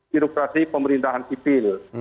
birokrasi pemerintahan sipil